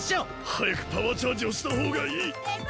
はやくパワーチャージをしたほうがいい！